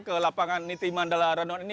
ke lapangan niti mandala ranon ini